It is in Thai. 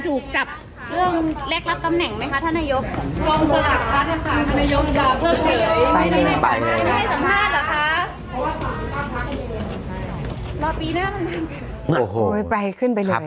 ถูกจับเรื่องแรกรับตำแหน่งไหมครับท่านนัยยก